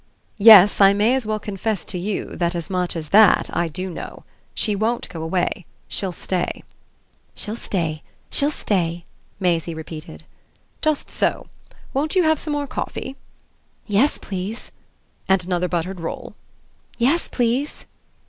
"Yes, I may as well confess to you that as much as that I do know. SHE won't go away. She'll stay." "She'll stay. She'll stay," Maisie repeated. "Just so. Won't you have some more coffee?" "Yes, please." "And another buttered roll?" "Yes, please."